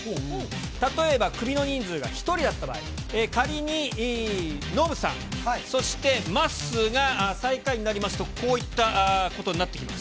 例えばクビの人数が１人だった場合、仮にノブさん、そして、まっすーが最下位になりますと、こういったことになってきます。